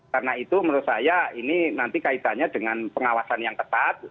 karena itu menurut saya ini nanti kaitannya dengan pengawasan yang ketat